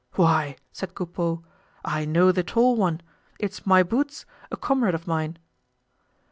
"Why!" said Coupeau, "I know the tall one, it's My Boots, a comrade of mine."